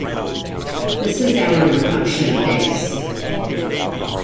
This is our induction base.